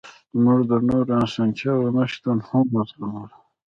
موږ د نورو اسانتیاوو نشتون هم وزغملو